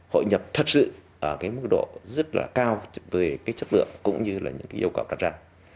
hội nhập thật sự ở cái mức độ rất là cao về cái chất lượng cũng như là những cái yêu cầu đặt ra